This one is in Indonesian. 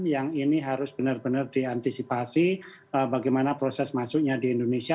yang ini harus benar benar diantisipasi bagaimana proses masuknya di indonesia